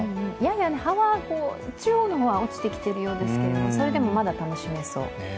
やや葉は中央の方は落ちてきていますけど、それでも、まだ楽しめそう。